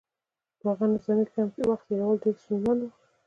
په هغه نظامي کمپ کې وخت تېرول ډېر ستونزمن وو